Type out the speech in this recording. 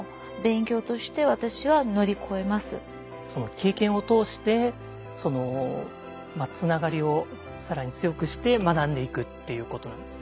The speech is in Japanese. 経験を通してつながりを更に強くして学んでいくっていうことなんですね。